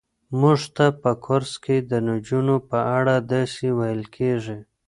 موږ ته په کورس کې د نجونو په اړه داسې ویل کېږي.